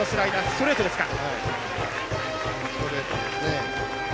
ストレートですか。